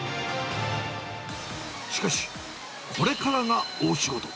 しかし、これからが大仕事。